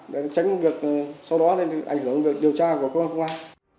để tránh việc sau đó ảnh hưởng đến điều tra của công an không ai